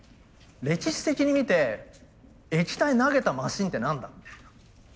歴史的に見て液体投げたマシンって何だみたいな。